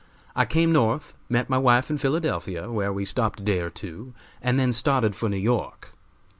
I came North, met my wife in Philadelphia, where we stopped a day or two, and then started for New York.